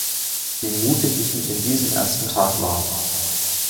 Wie mutig ich mich in diesen ersten Tag warf.